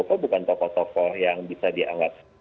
kok bukan tokoh tokoh yang bisa dianggap